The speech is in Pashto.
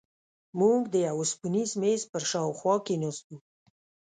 موږ د یوه اوسپنیز میز پر شاوخوا کېناستو.